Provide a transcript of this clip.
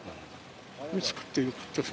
見つかってよかったさ。